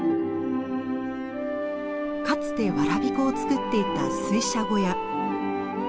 かつてわらび粉を作っていた水車小屋。